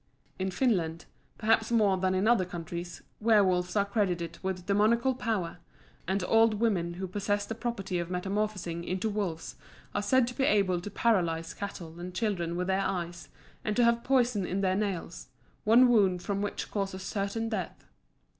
In Finland, perhaps more than in other countries, werwolves are credited with demoniacal power, and old women who possess the property of metamorphosing into wolves are said to be able to paralyse cattle and children with their eyes, and to have poison in their nails, one wound from which causes certain death.